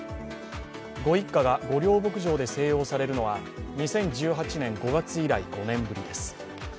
ご一家が御料牧場で静養されるのは２０１８年５月以来５年ぶりです。